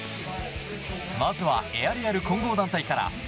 まずはエアリアル混合団体から。